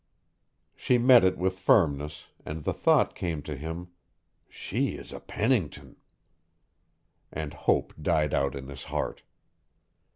She met it with firmness, and the thought came to him: "She is a Pennington!" And hope died out in his heart.